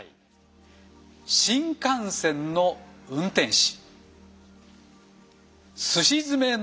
新幹線の運転手。